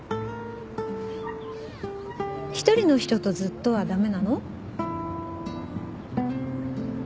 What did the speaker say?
一人の人とずっとは駄目なの？